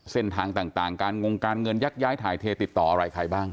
เส้นทางต่างการงงการเงินยักย้ายถ่ายเทติดต่ออะไรใครบ้าง